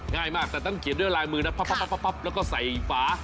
ง่ายมากแต่ต้องเขียนด้วยลายมือนะพับแล้วก็ใส่ฝา